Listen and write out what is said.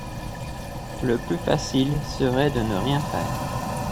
Le plus facile serait de ne rien faire.